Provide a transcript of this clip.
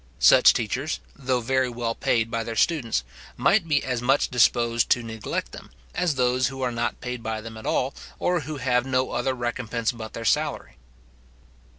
Such teachers, though very well paid by their students, might be as much disposed to neglect them, as those who are not paid by them at all or who have no other recompense but their salary.